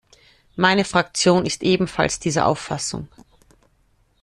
Meine Fraktion ist ebenfalls dieser Auffassung.